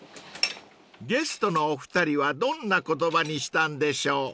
［ゲストのお二人はどんな言葉にしたんでしょう］